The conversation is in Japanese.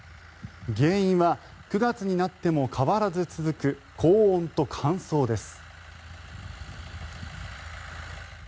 原因は９月になっても変わらず続く高温と乾燥です。